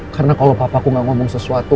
karena kalau papa aku gak ngomong sesuatu